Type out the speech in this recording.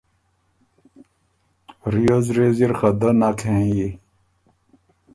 ریوز ریوز اِر خه دۀ نک هېنيي